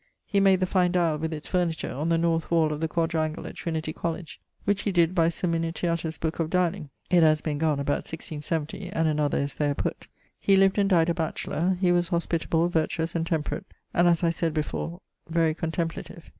He made the fine diall with its furniture, on the north wall of the quadrangle at Trinity Colledge, which he did by Samminitiatus's booke of Dialling (it haz been gonne about 1670, and another is there putt). He lived and dyed a batchelour. He was hospitable, vertuous, and temperate; and, as I sayd before, very contemplative.